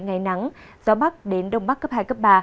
ngày nắng gió bắc đến đông bắc cấp hai cấp ba